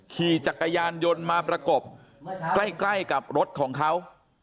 ขี่จักรยานยนต์มาประกบใกล้กับรถของเขา